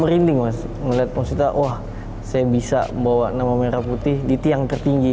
merinding mas melihat maksudnya wah saya bisa membawa nama merah putih di tiang tertinggi